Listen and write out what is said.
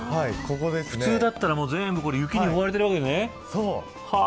普通だったら全部雪に覆われてるわけだね。